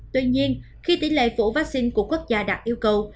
tuy nhiên khi tỷ lệ phổ vaccine của quốc gia đạt yêu cầu